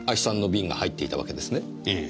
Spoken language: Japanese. ええ。